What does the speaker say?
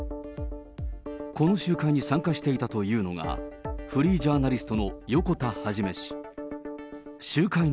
この集会に参加していたというのが、フリージャーナリストの横田一氏。